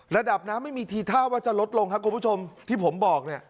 ระดับน้ำไม่มีทีท่าว่าจะลดลงครับคุณผู้ชมที่ผมบอกเนี่ย